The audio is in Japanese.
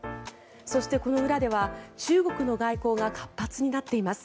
そしてこの裏では、中国の外交が活発になっています。